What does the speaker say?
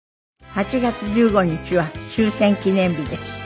８月１５日は終戦記念日です。